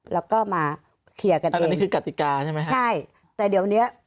แล้วก็มาเคลียร์กันอันนี้คือกติกาใช่ไหมฮะใช่แต่เดี๋ยวเนี้ย